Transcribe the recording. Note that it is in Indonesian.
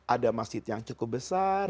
ada masjid yang cukup besar